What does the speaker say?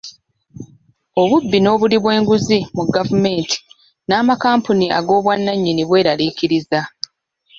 Obubbi n'obuli bw'enguzi mu gavumenti n'amakampuni g'obwannannyini bweraliikiriza.